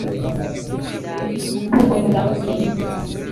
ariko mu magambo make